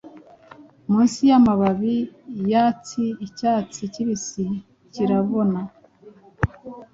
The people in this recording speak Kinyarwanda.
Munsi yamababi yatsi Icyatsi kibisi Kirabona,